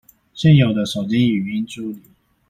現有的手機語音助理